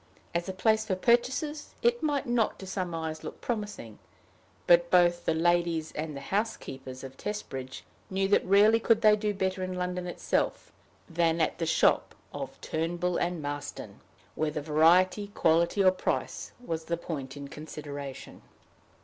As a place for purchases it might not to some eyes look promising, but both the ladies and the housekeepers of Testbridge knew that rarely could they do better in London itself than at the shop of Turnbull and Marston, whether variety, quality, or price, was the point in consideration.